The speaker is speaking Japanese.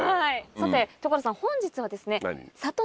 さて所さん本日はですね。